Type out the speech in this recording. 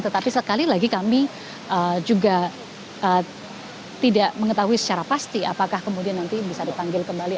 tetapi sekali lagi kami juga tidak mengetahui secara pasti apakah kemudian nanti bisa dipanggil kembali